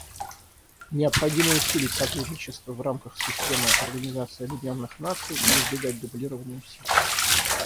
Необходимо усилить сотрудничество в рамках системы Организации Объединенных Наций и избегать дублирования усилий.